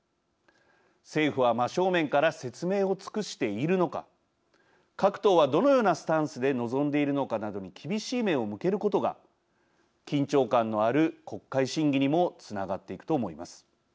政府は真正面から説明を尽くしているのか各党はどのようなスタンスで臨んでいるのかなどに厳しい目を向けることが緊張感のある国会審議にもつながっていくと思います。